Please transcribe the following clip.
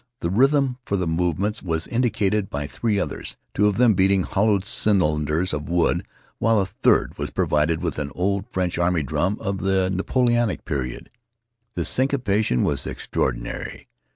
The rhythm for the move ments was indicated by three others, two of them beating hollowed cylinders of wood, while a third was provided with an old French army drum of the Napo leonic period. The syncopation was extraordinary.